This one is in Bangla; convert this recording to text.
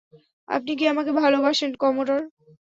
আপনি কি আমাকে ভালোবাসেন, কমোডর?